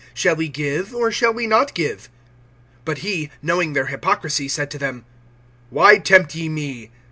(15)Shall we give, or shall we not give? But he, knowing their hypocrisy, said to them: Why tempt ye me?